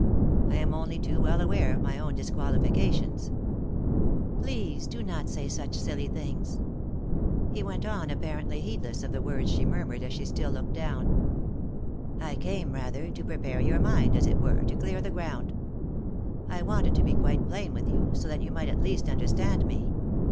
I am only too well aware of my own disqualifications." " Please do not say such silly things." He went on apparently heedless of the words she murmured as she still looked down. " I came, rather, to prepare your mind — as it were, to clear the ground. I wanted to be quite plain with 9i 3i 9 iii^d by Google THE INTERRUPTED KISS you, so that you might at least understand me.